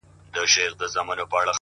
او راته وايي دغه”